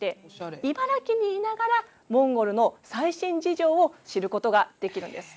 茨城にいながらモンゴルの最新事情を知ることができるんです。